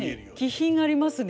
気品ありますね。